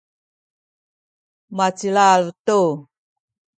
macilal tu.